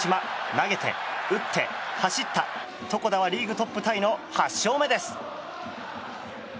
投げて、打って、走った床田はリーグトップタイの８勝目です。